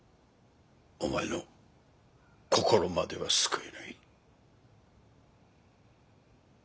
お前の心までは救えない。